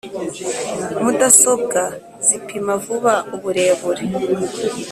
mudasobwa zipima vuba uburebure,